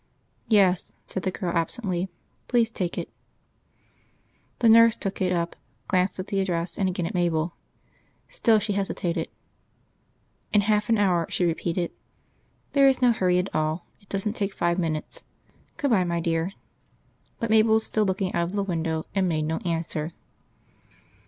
"Yes," said the girl absently. "Please take it." The nurse took it up, glanced at the address, and again at Mabel. Still she hesitated. "In half an hour," she repeated. "There is no hurry at all. It doesn't take five minutes.... Good bye, my dear." But Mabel was still looking out of the window, and made no answer.